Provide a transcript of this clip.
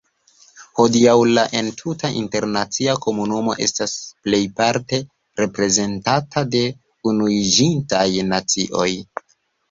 Hodiaŭ la entuta internacia komunumo estas plejparte reprezentata de Unuiĝintaj Nacioj.